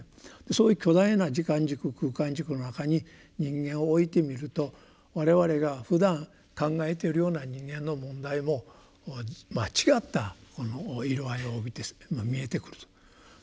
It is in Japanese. そういう巨大な時間軸空間軸の中に人間を置いてみると我々がふだん考えているような人間の問題も違った色合いを帯びて見えてくると。